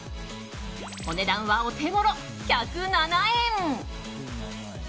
お値段は、お手ごろ１０７円。